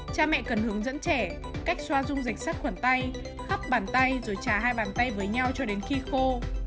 cha mẹ cần hướng dẫn trẻ cách xoa dung dịch sát khuẩn tay khắp bàn tay rồi trả hai bàn tay với nhau cho đến khi khô